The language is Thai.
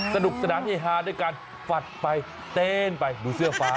สนุกสนานเฮฮาด้วยการฝัดไปเต้นไปดูเสื้อฟ้า